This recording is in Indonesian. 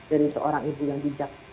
dari seorang ibu yang bijak